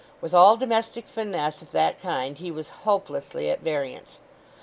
With all domestic finesse of that kind he was hopelessly at variance.